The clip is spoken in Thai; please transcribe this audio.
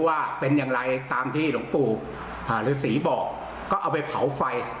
ว่าเป็นอย่างไรตามที่หลวงปู่ฤษีบอกก็เอาไปเผาไฟ